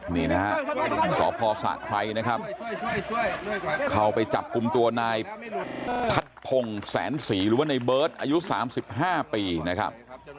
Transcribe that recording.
นี่นะฮะสพสะไครนะครับเข้าไปจับกลุ่มตัวนายพัดพงศ์แสนศรีหรือว่าในเบิร์ตอายุ๓๕ปีนะครับ